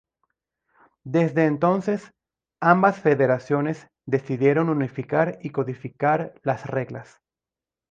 Desde entonces, ambas federaciones decidieron unificar y codificar las reglas.